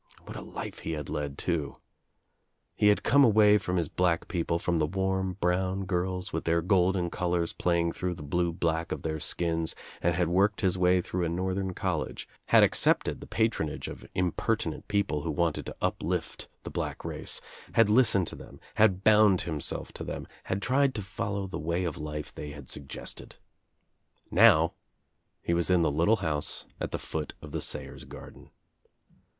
What a Itfe he had led tool He had come away from his black people, from the warm brown girls with the golden colors playing through the blue black of their skins and had worked his way through a Northern college, had accepted the patronage of impertinent people who wanted to uplift the black race, had listened to them, had bound himself to them, had tried to follow the way of life they had suggested. Now he was in the little house at the foot of the Sayers' garden.